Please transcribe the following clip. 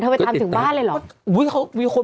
ไปตามถึงบ้านเลยเหรอ